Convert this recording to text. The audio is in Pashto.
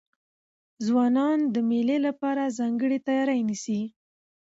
ځوانان د مېلو له پاره ځانګړې تیاری نیسي.